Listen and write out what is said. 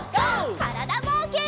からだぼうけん。